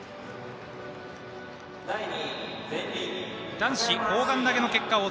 男子砲丸投げの結果です。